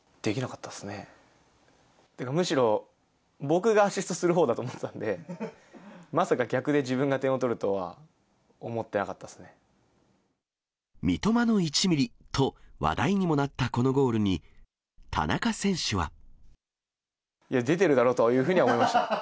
ってかむしろ、僕がアシストするほうだと思っていたので、まさか逆で、自分が点三笘の１ミリと、話題にもなったこのゴールに、田中選手は。出てるだろうというふうには思いました。